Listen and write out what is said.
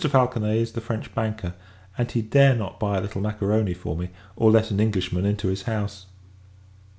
Falconet is the French banker; and he dare not buy a little macaroni for me, or let an Englishman into his house.